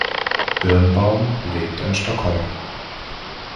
Birnbaum lebt in Stockholm.